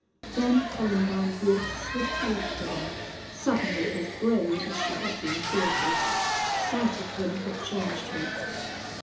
Then Columbine walked swiftly up to him, suddenly as brave as she had been fearful. Sight of him had changed her.